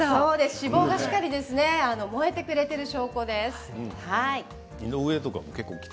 脂肪がしっかり燃えてくれている証拠です。